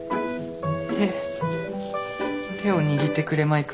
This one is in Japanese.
手手を握ってくれまいか。